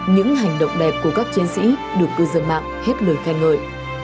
những hành động đẹp của các chiến sĩ được cư dân mạng hết lời khen ngợi